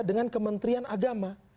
dengan kementrian agama